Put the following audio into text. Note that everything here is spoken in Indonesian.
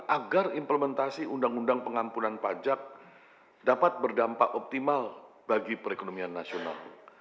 agar implementasi undang undang pengampunan pajak dapat berdampak optimal bagi perekonomian nasional